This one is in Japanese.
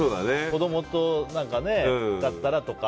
子供とだったらとか。